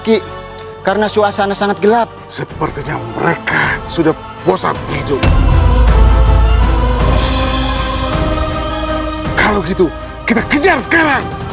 ki karena suasana sangat gelap sepertinya mereka sudah bosan hijau kalau gitu kita kejar sekarang